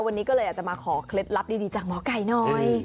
วันนี้ก็เลยอาจจะมาขอเคล็ดลับดีจากหมอไก่หน่อย